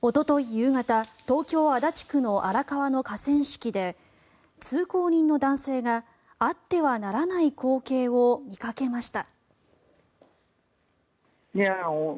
夕方東京・足立区の荒川の河川敷で通行人の男性があってはならない光景を見かけました。